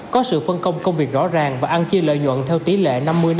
có sự phân công công việc rõ ràng và ăn chia lợi nhuận theo tỷ lệ năm mươi năm mươi